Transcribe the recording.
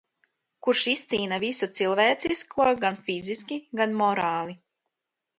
Karš iznīcina visu cilvēcisko gan fiziski, gan morāli.